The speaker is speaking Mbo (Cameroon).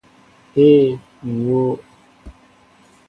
Ee, ŋ wóó.